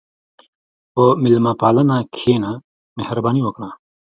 په میلمهپالنه کښېنه، مهرباني وکړه.